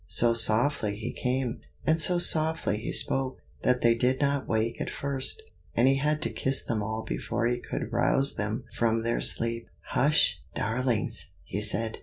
So softly he came, and so softly he spoke, that they did not wake at first, and he had to kiss them all before he could rouse them from their sleep. "Hush, darlings!" he said.